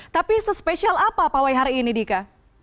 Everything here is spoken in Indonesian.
tapi sespesial apa pawai hari ini dika